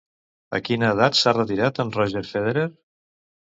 A quina edat s'ha retirat en Roger Federer?